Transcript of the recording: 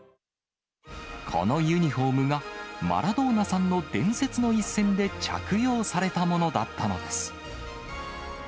このユニホームが、マラドーナさんの伝説の一戦で着用されたものだったのです。